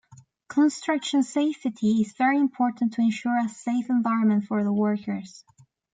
Construction safety is very important to ensure a safe environment for the workers.